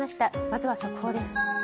まずは速報です。